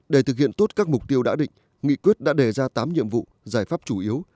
để thực hiện tốt các mục tiêu đã định nghị quyết đã đề ra tám nhiệm vụ giải pháp chủ yếu